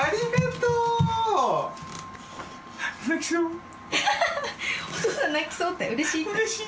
うれしい。